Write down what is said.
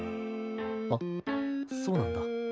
あっそうなんだ。